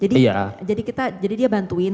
iya jadi kita jadi dia bantuin